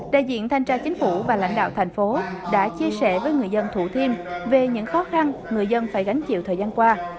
đại diện thanh tra chính phủ và lãnh đạo thành phố đã chia sẻ với người dân thủ thiêm về những khó khăn người dân phải gánh chịu thời gian qua